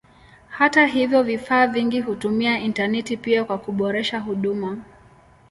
Hata hivyo vifaa vingi hutumia intaneti pia kwa kuboresha huduma.